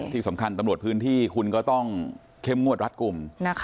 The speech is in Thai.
ที่สำคัญตำรวจพื้นที่คุณก็ต้องเข้มงวดรัฐกลุ่ม